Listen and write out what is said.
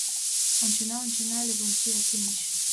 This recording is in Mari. Ончена, ончена, Левонтий Акимыч!